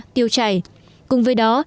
tiêu chảy cùng với đó